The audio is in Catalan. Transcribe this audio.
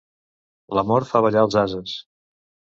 L'amor fa ballar els ases.